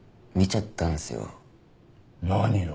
何を？